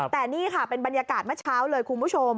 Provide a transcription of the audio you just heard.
แต่นี่ค่ะเป็นบรรยากาศเมื่อเช้าเลยคุณผู้ชม